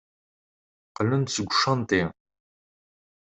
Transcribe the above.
Qqlen-d seg ucanṭi.